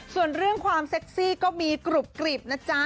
ส่วนเรื่องความเซ็กซี่ก็มีกรุบกริบนะจ๊ะ